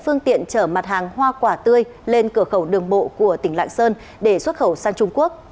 phương tiện chở mặt hàng hoa quả tươi lên cửa khẩu đường bộ của tỉnh lạng sơn để xuất khẩu sang trung quốc